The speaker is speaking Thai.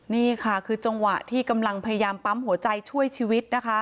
นี่ค่ะคือจังหวะที่กำลังพยายามปั๊มหัวใจช่วยชีวิตนะคะ